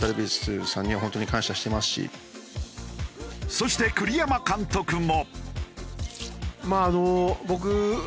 そして栗山監督も。